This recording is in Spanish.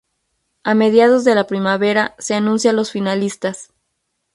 A mediados de la primavera, se anuncian los finalistas.